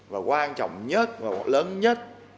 và quan trọng nhất và lớn nhất